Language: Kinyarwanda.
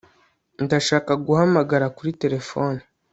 Ndashaka guhamagara kuri terefone